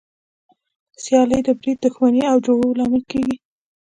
سیالي د بريد، دښمني او جګړو لامل کېږي.